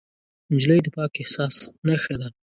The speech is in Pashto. نجلۍ د پاک احساس نښه ده.